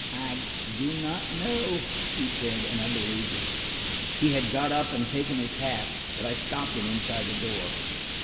"I do not know," he said, and I believed him. He had got up and taken his hat, but I stopped him inside the door.